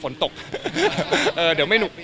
คุณพลอยก็เป็นอะไรอย่างนี้ครับ